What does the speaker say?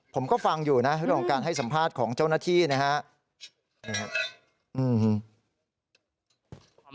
ผมก็ฟังอยู่นะเรื่องของการให้สัมภาษณ์ของเจ้าหน้าที่นะครับ